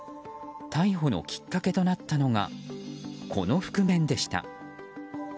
逮捕のきっかけとなったのがこの覆面でした。